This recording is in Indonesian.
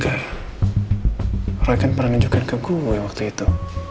eh roy kan pernah nunjukin ke gue waktu itu